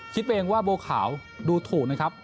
คิดเองว่าบัวขาวดูถูกนะครับ